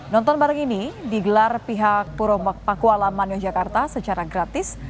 nonton bareng ini digelar pihak puro pakualaman yogyakarta secara gratis